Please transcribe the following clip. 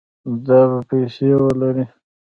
دا به پیسې ولري